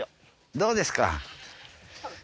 どうですか。